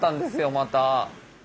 また。